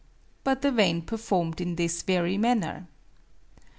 But the vane performed in this very manner.